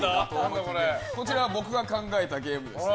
こちら、僕が考えたゲームです。